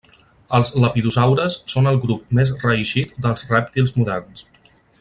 Els lepidosaures són el grup més reeixit dels rèptils moderns.